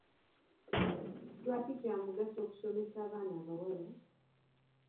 Lwaki kya mugaso okusomesa abaana abawala?